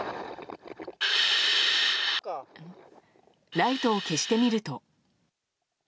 ライトを消してみると。